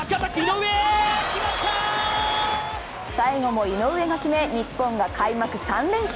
最後も井上が決め日本が開幕３連勝。